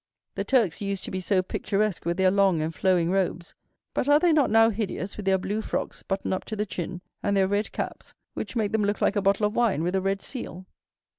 The Turks used to be so picturesque with their long and flowing robes, but are they not now hideous with their blue frocks buttoned up to the chin, and their red caps, which make them look like a bottle of wine with a red seal?